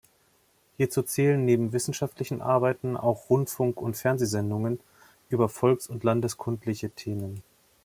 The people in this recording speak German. Hierzu zählen neben wissenschaftlichen Arbeiten auch Rundfunk- und Fernsehsendungen über volks- und landeskundliche Themen.